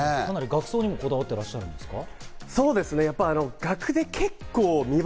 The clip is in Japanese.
額装にもこだわっていらっしゃるんですか？